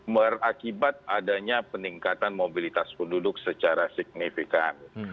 berakibat adanya peningkatan mobilitas penduduk secara signifikan